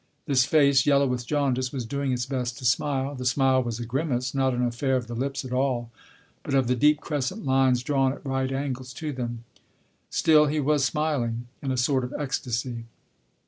This face, yellow with jaundice, was doing its best to smile. The smile was a grimace, not an affair of the lips at all, but of the deep crescent lines drawn at right angles to them. Still, he was smiling. In a sort of ecstasy.